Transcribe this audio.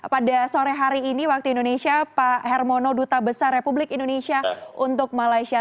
pada sore hari ini waktu indonesia pak hermono duta besar republik indonesia untuk malaysia